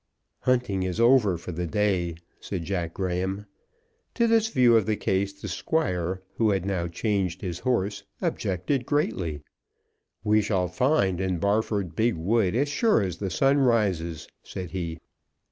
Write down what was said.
"Hunting is over for the day," said Jack Graham. To this view of the case the Squire, who had now changed his horse, objected greatly. "We shall find in Barford big wood as sure as the sun rises," said he.